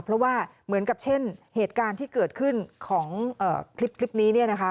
เพราะว่าเหมือนกับเช่นเหตุการณ์ที่เกิดขึ้นของคลิปนี้เนี่ยนะคะ